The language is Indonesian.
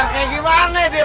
lo kenapa biar